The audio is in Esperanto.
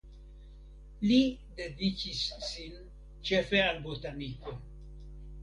Li dediĉis sin ĉefe al botaniko.